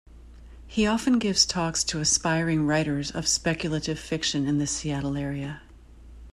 He often gives talks to aspiring writers of speculative fiction in the Seattle area.